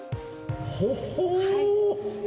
ほほう。